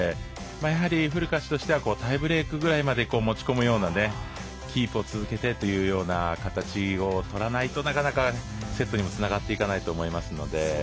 やはり、フルカッチとしてはタイブレークまでは持ち込むようなキープを続けてという形をとらないとなかなかセットにもつながっていかないと思います。